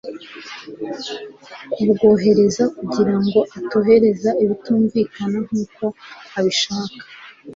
kubwohereza kugira ngo atohereza ibitumvikana nk'uko abishaka